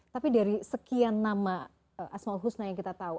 tapi dari sekian nama asma'ul husna yang kita tahu